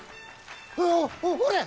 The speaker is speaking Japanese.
あ、ほれ！